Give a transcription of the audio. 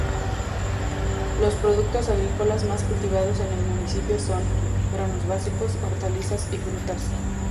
Los productos agrícolas más cultivados en el Municipio son: granos básicos, hortalizas y frutas.